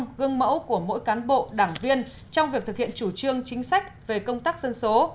tăng cường phối hợp liên ngang gương mẫu của mỗi cán bộ đảng viên trong việc thực hiện chủ trương chính sách về công tác dân số